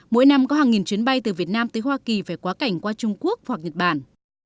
mỗi năm có hàng nghìn chuyến bay từ việt nam tới hoa kỳ phải quá cảnh qua trung quốc hoặc nhật bản